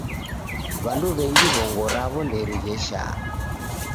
W'andu wengi wongo rawo nderighesha.